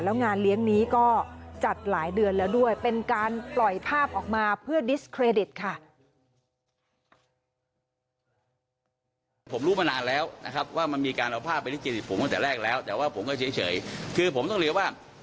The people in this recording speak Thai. แล้วงานเลี้ยงนี้ก็จัดหลายเดือนแล้วด้วย